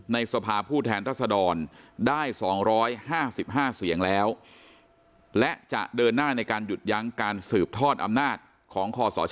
สภาพผู้แทนรัศดรได้๒๕๕เสียงแล้วและจะเดินหน้าในการหยุดยั้งการสืบทอดอำนาจของคอสช